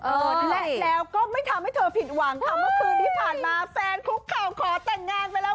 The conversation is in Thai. และแล้วก็ไม่ทำให้เธอผิดหวังค่ะเมื่อคืนที่ผ่านมาแฟนคุกเข่าขอแต่งงานไปแล้ว